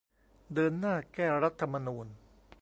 เดินหน้าแก้รัฐธรรมนูญ